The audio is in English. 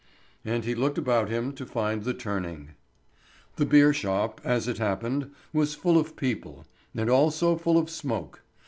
And he looked about him to find the turning. The beer shop, as it happened, was full of people, and also full of smoke.